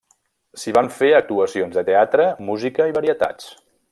S'hi van fer actuacions de teatre, música i varietats.